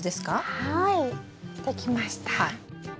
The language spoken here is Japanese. はい出来ました。